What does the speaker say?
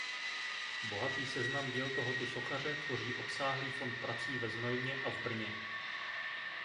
Bohatý seznam děl tohoto sochaře tvoří obsáhlý fond prací ve Znojmě a v Brně.